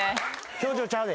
「表情ちゃうで」